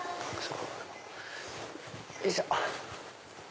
よいしょ。